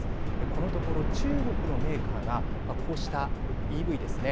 このところ中国のメーカーが、こうしたＥＶですね。